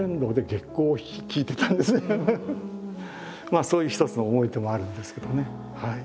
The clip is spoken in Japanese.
まあそういう一つの思い出もあるんですけどね。